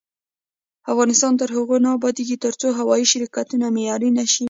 افغانستان تر هغو نه ابادیږي، ترڅو هوايي شرکتونه معیاري نشي.